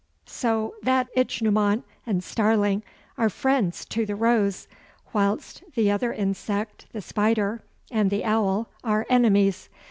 So that ichneumon and starling are friends to the Rose, whilst the other insect, the spider, and the owl are enemies.